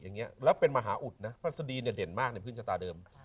อย่างเงี้ยแล้วเป็นมหาอุทธิ์นะพฤศดีเนี่ยเด่นมากในพฤศดีศาสตราเดิม